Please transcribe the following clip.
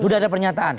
sudah ada pernyataan